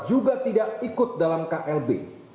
juga tidak ikut dalam klb